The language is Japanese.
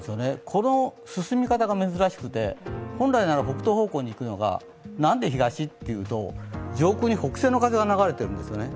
この進み方が珍しくて本来なら、北東方向に行くのがなんで東？というと、上空に北西の風が流れてるんですね。